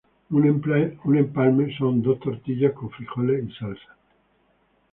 Un empalme son dos tortillas con frijoles y salsa.